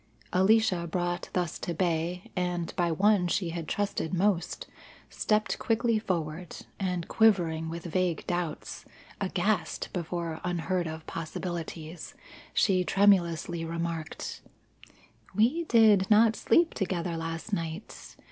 Alicia brought thus to bay, and by one she had trusted most, stepped quickly forward, and quivering with vague doubts, aghast before unheard of possibilities, she tremulously remarked: "We did not sleep together last night.